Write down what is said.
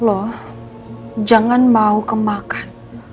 lo jangan mau kemakan